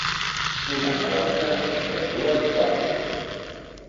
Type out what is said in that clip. Una pausa entre dues classes.